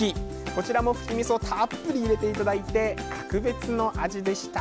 こちらも、ふきみそをたっぷり入れていただいて格別の味でした。